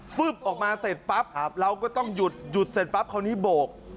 ออกมาเสร็จปั๊บเราก็ต้องหยุดหยุดเสร็จปั๊บคราวนี้โบก